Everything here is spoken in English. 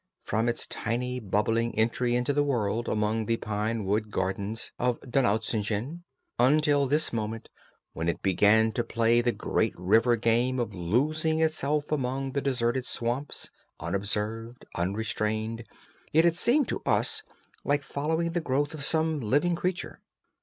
From its tiny bubbling entry into the world among the pinewood gardens of Donaueschingen, until this moment when it began to play the great river game of losing itself among the deserted swamps, unobserved, unrestrained, it had seemed to us like following the growth of some living creature.